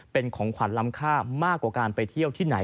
เป็นของขวัญล้ำค่ามากกว่าการไปเที่ยวที่ไหน